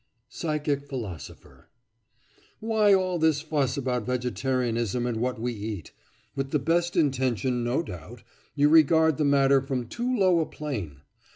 PSYCHIC PHILOSOPHER: Why all this fuss about vegetarianism and what we eat? With the best intention, no doubt, you regard the matter from too low a plane.